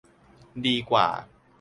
ดีกว่า